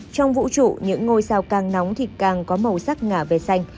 trong vũ trụ những ngôi sao càng nóng thì càng có màu sắc ngả về xanh